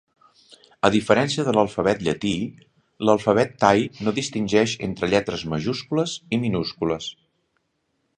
A diferència de l'alfabet llatí, l'alfabet tai no distingeix entre lletres majúscules i minúscules.